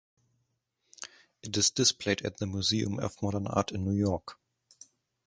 It is displayed at the Museum of Modern Art in New York.